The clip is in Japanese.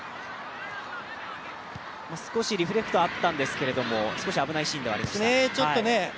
少しリフクレトあったんですが危ないシーンではありました。